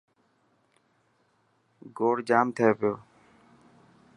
گوڙ جام ٿي پيو.